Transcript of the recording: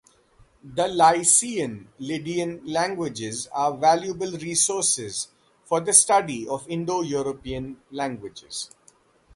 The Lycian, Lydian languages are valuable resources for the study of Indo-European languages.